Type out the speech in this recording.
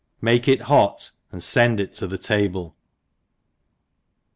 — Make it hot, and fend it to the table.